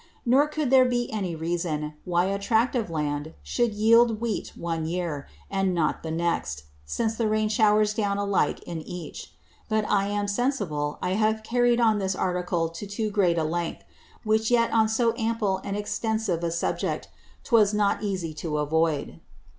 Nor could there be any Reason, why a Tract of Land should yield Wheat one Year, and not the next; since the Rain showers down alike in each. But I am sensible I have carried on this Article to too great a length; which yet on so ample and extensive a Subject, 'twas not easie to avoid.